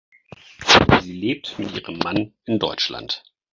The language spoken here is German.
Sie lebt mit ihrem Mann in Deutschland.